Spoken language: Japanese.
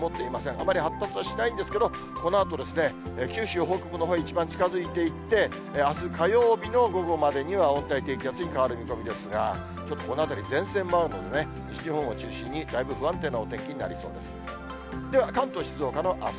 あまり発達はしないんですけど、このあと九州北部のほうに一番近づいていって、あす火曜日の午後までには、温帯低気圧に変わる見込みですが、ちょっとこのあたり、前線もあるのでね、西日本を中心に、だいぶ不安定なお天気になりそうです。